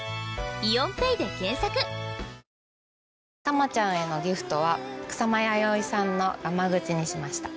玉ちゃんへのギフトは草間彌生さんのがま口にしました。